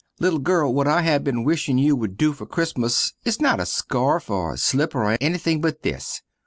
Little girl, what I have been wishing you wood do fer Christmas is not a scarf, or slipper or ennything but this.